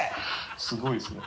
すごいですね。